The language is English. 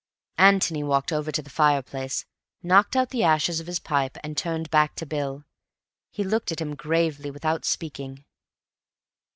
Antony walked over to the fireplace, knocked out the ashes of his pipe, and turned back to Bill. He looked at him gravely without speaking.